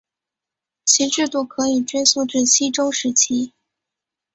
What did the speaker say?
其制度可以追溯至西周时期。